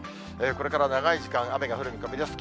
これから長い時間、雨が降る見込みです。